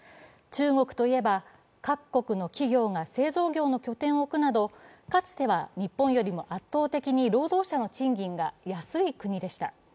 中国といえば各国の企業が製造業の拠点を置くなどかつては日本よりも圧倒的に労働者の賃金が安い国でした。